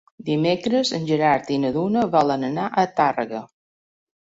Dimecres en Gerard i na Duna volen anar a Tàrrega.